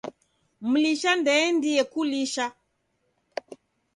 Mlisha ndeendie kulisha.